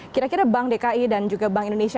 kira kira bank dki dan juga bank indonesia